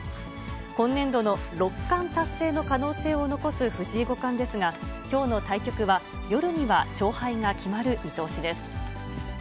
今年度の六冠達成の可能性を残す藤井五冠ですが、きょうの対局は、夜には勝敗が決まる見通しです。